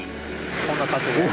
こんな感じで。